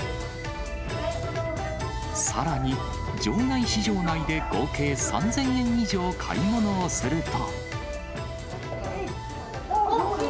さらに、場外市場内で合計３０００円以上買い物をすると。